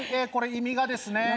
これ意味がですね。